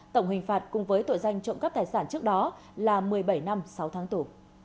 tổng hình phạt cùng với tội danh trộm cắp tài sản trước đó là một mươi bảy năm sáu tháng tù